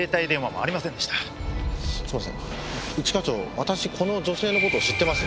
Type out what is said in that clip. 一課長私この女性の事知ってます。